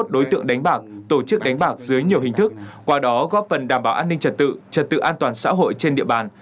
hai mươi đối tượng đánh bạc tổ chức đánh bạc dưới nhiều hình thức qua đó góp phần đảm bảo an ninh trật tự trật tự an toàn xã hội trên địa bàn